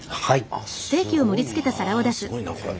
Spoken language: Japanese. あすごいなこれ。